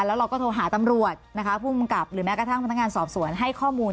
แล้วเราก็โทรหาตำรวจนะคะภูมิกับหรือแม้กระทั่งพนักงานสอบสวนให้ข้อมูล